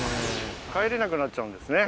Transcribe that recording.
帰れなくなっちゃうんですね。